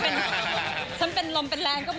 ก็ยังจะเป็นนักวิ่งเหมือนเดิม